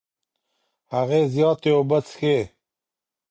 هغې زياتې اوبه څښې.